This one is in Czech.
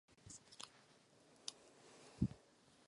Byl oblíbeným malířem Adolfa Hitlera.